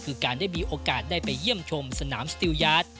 คือการได้มีโอกาสได้ไปเยี่ยมชมสนามสติลยาท